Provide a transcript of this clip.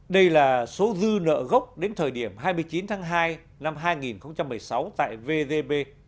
đây là số dư nợ gốc đến thời điểm hai mươi chín tháng hai năm hai nghìn một mươi sáu tại vzbe